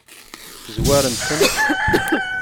Zwarent-ten?